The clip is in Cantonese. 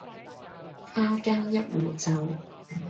花間一壺酒，